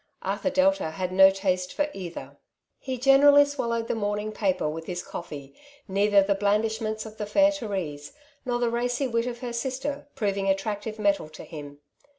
Arthur Delta had no taste for either. He generally swallowed the morning paper with his coflfee, neither the blandishments of the fairTherese, nor the racy wit of her sister, proving attractive metal to him.